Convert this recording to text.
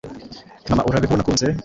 mama urabeho uwo nakunze